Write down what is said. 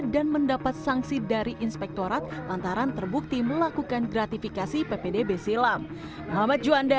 dan mendapat sanksi dari inspektorat lantaran terbukti melakukan gratifikasi ppdb silam